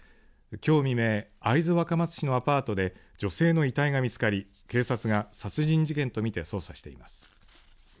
きょう未明、会津若松市のアパートで女性の遺体が見つかり警察が殺人事件と見て捜査しています。